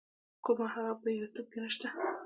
کوومه هغه په یو يټیوب کی نسته.